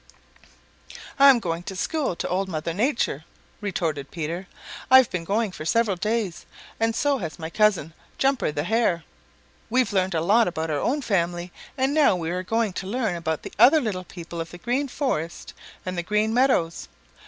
"I'm going to school to Old Mother Nature," retorted Peter. "I've been going for several days, and so has my cousin, Jumper the Hare. We've learned a lot about our own family and now we are going to learn about the other little people of the Green Forest and the Green Meadows."